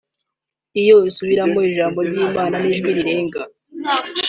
iyo usubiramo ijambo ry’Imana n’ijwi rirenga